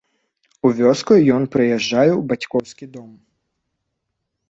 У вёску ён прыязджае ў бацькоўскі дом.